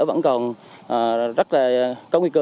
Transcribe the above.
vẫn còn rất là có nguy cơ